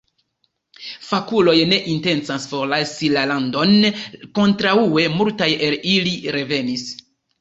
Fakuloj ne intencas forlasi la landon, kontraŭe multaj el ili revenis.